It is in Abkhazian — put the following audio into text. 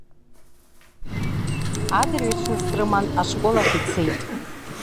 Адырҩаҽны срыманы ашкол ахь ицеит.